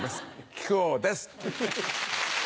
木久扇です。